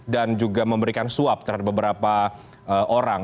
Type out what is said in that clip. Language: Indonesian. juga memberikan suap terhadap beberapa orang